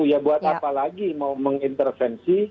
ya buat apa lagi mau mengintervensi